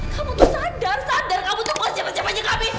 kamu tuh sadar sadar kamu tuh oh siapanya kami